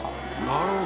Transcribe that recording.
なるほど。